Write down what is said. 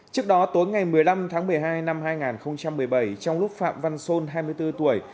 trước đó tối ngày một mươi năm tháng một mươi hai năm hai nghìn một mươi bảy trong lúc phạm văn sôn hai mươi bốn tuổi